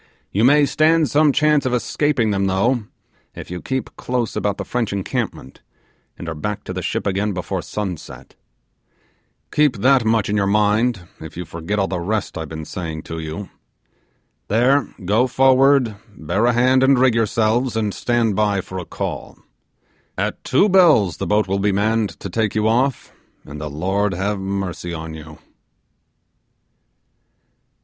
You may stand some chance of escaping them though, if you keep close about the French encampment, and are back to the ship again before sunset. Keep that much in your mind, if you forget all the rest I've been saying to you. There, go forward: bear a hand and rig yourselves, and stand by for a call. At two bells the boat will be manned to take you off, and the Lord have mercy on you!